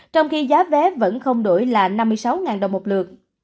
trong khi giá vé vẫn không đổi là năm mươi sáu đồng một lượt